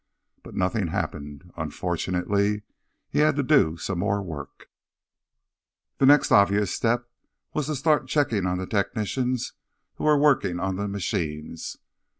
But nothing happened. Unfortunately, he had to do some more work. The obvious next step was to start checking on the technicians who were working on the machines.